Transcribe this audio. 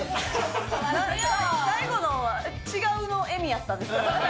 最後の、違う笑みやったんですね。